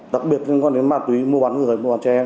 đặc biệt liên quan đến ma túy mua bán người mua bán trẻ em